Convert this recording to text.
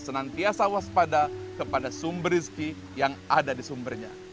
senantiasa waspada kepada sumber rizki yang ada di sumbernya